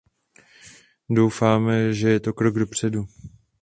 Doufáme, že je to krok dopředu.